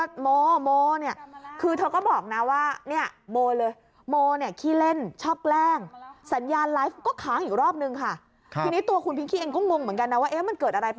ได้ยินป่ะ